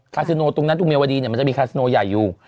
คาซิโนตรงนั้นตรงเมียวดีเนี่ยมันจะมีคาซิโนใหญ่อยู่